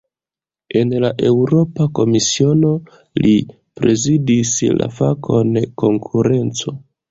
En la Eŭropa Komisiono, li prezidis la fakon "konkurenco".